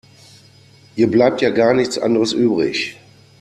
Ihr bleibt ja gar nichts anderes übrig.